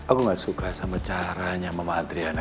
aku nggak suka sama caranya mama adriana memperalat aku nih